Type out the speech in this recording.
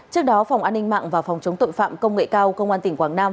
trước đó phòng an ninh mạng và phòng chống tội phạm công nghệ cao công an tỉnh quảng nam